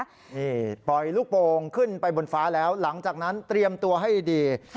นี่ปล่อยลูกโป่งขึ้นไปบนฟ้าแล้วหลังจากนั้นเตรียมตัวให้ดี